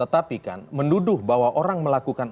tetapi kan menduduh bahwa orang melakukan